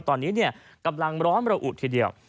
ตอนนี้กำลังร้อนระอุทีเดียว